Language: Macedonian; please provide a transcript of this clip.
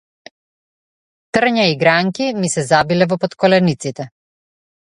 Трња и гранки ми се забиле во потколениците.